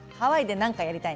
何かやりたい。